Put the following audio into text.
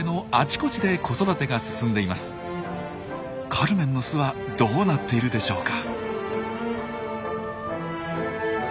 カルメンの巣はどうなっているでしょうか？